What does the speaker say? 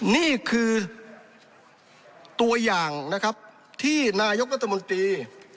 นี่คือตัวอย่างนะครับที่นายกรัฐมนตรี